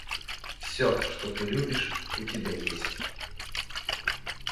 Всё, что ты любишь, у тебя есть.